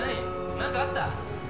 何かあった？